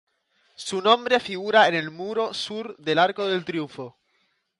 Su nombre figura en el muro sur del Arco del Triunfo.